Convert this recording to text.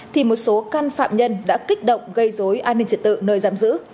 thì một số can phạm nhân đã kích động gây dối an ninh trật tự nơi giam giữ